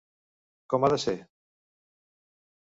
Com ha de ser?